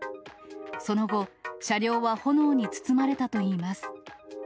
その後、車両は炎に包まれたといいます。